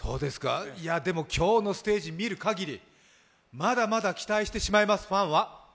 でも、今日のステージ見る限り、まだまだ期待してしまいます、ファンは。